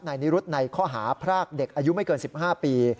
นิรุธในข้อหาพรากเด็กอายุไม่เกิน๑๕ปี